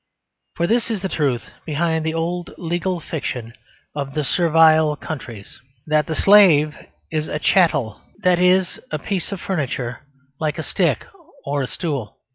For this is the truth behind the old legal fiction of the servile countries, that the slave is a "chattel," that is a piece of furniture like a stick or a stool.